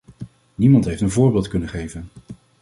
Niemand heeft een voorbeeld kunnen geven.